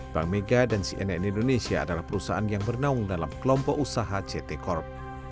bank mega dan cnn indonesia adalah perusahaan yang bernaung dalam kelompok usaha ct corp